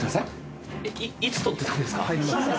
いつ撮ってたんですか？